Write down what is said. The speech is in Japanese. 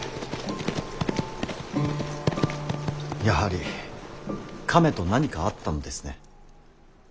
やはり亀と何かあったのですね。